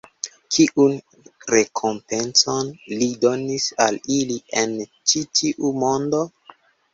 Kiun rekompencon Li donis al ili en ĉi tiu mondo?